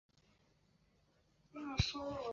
沃夫西城堡包括宫殿和城堡两部分建筑。